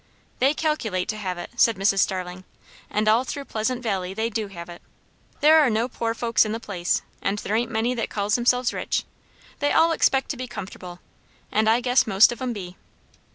"They calculate to have it," said Mrs. Starling. "And all through Pleasant Valley they do have it. There are no poor folks in the place; and there ain't many that calls themselves rich; they all expect to be comfortable; and I guess most of 'em be."